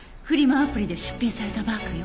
アプリで出品されたバッグよ。